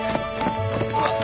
うわっ！